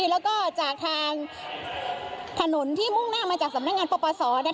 แล้วก็จากทางถนนที่มุ่งหน้ามาจากสำนักงานปปศ